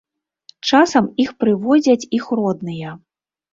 Часам іх прыводзяць іх родныя.